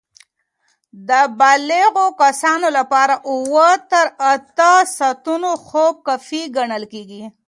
د بالغو کسانو لپاره اووه تر اته ساعتونه خوب کافي ګڼل کېږي.